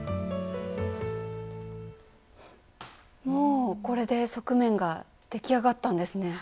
もうこれで側面が出来上がったんですね。